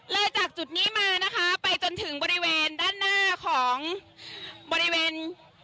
เลยจากจุดนี้มานะคะไปจนถึงบริเวณด้านหน้าของบริเวณ